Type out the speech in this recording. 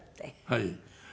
はい。